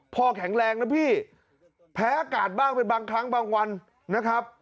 แข็งแรงนะพี่แพ้อากาศบ้างเป็นบางครั้งบางวันนะครับ